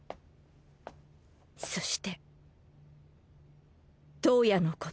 そして燈矢のこと。